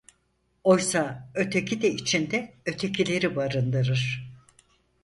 Oysa öteki de içinde “ötekileri” barındırır.